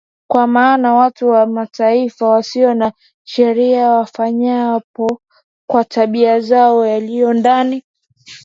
Kwa maana watu wa Mataifa wasio na sheria wafanyapo kwa tabia zao yaliyo ndani